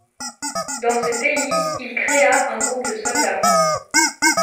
Dans ce pays, il créa un groupe de soldats.